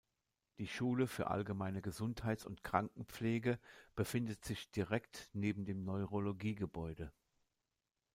Die Schule für allgemeine Gesundheits- und Krankenpflege befindet sich direkt neben dem Neurologie-Gebäude.